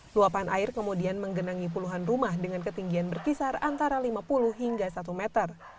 luapan air kemudian menggenangi puluhan rumah dengan ketinggian berkisar antara lima puluh hingga satu meter